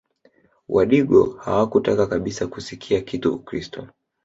Wadigo hawakutaka kabisa kusikia kitu Ukristo